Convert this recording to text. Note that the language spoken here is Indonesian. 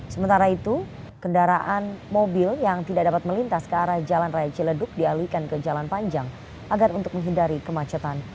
sementara itu kendaraan mobil yang tidak dapat melintas ke arah jalan raya ciledug dialihkan ke jalan panjang agar untuk menghindari kemacetan